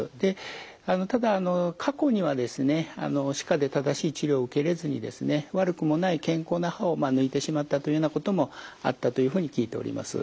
ただ過去にはですね歯科で正しい治療を受けれずにですね悪くもない健康な歯を抜いてしまったというようなこともあったというふうに聞いております。